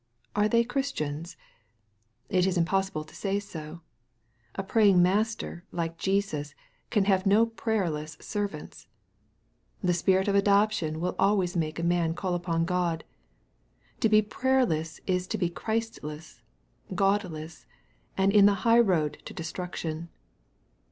Are they Christians ? It is impossible to say so. A praying Master, like Jesus, can have no prayer less servants. The Spirit of adoption will always make a man call upon God. To be prayerless is to be Christ less, Godless, and in the high road to destruction.